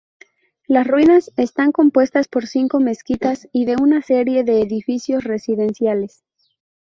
Las ruinas están compuestas por cinco mezquitas y de una serie de edificios residenciales.